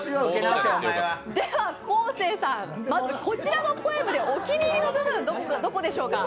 では、昴生さん、こちらのポエムでお気に入りの部分、どこでしょうか。